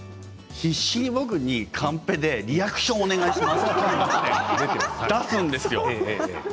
必死に僕にカンペでリアクションお願いしますと出すんですよ。